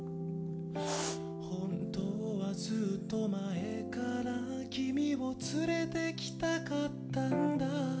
ほんとはずっと前から君を連れて来たかったんだ